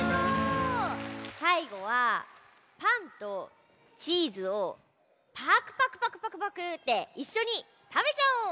さいごはパンとチーズをパクパクパクパクパクっていっしょにたべちゃおう！